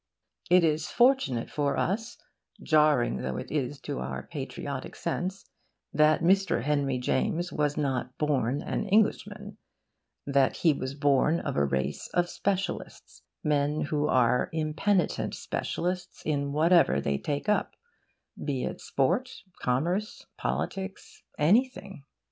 It is fortunate for us (jarring though it is to our patriotic sense) that Mr. Henry James was not born an Englishman, that he was born of a race of specialists men who are impenitent specialists in whatever they take up, be it sport, commerce, politics, anything.